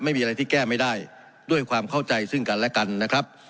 ไม่มีอะไรที่แก้ไม่ได้ด้วยความเข้าใจซึ่งกันและกันนะครับ